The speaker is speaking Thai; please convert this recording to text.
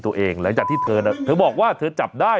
รถขันแล้วมึงทำไม